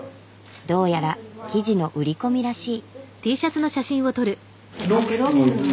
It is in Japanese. どうやら記事の売り込みらしい。